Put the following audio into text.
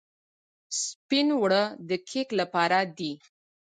سپین اوړه د کیک لپاره دي.